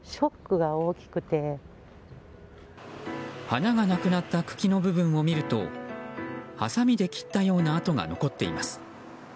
花がなくなった茎の部分を見るとはさみで切ったような跡が残っています。